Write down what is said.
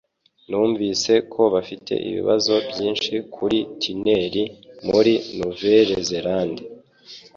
Numvise ko bafite ibibazo byinshi kuri tunel muri NouvelleZélande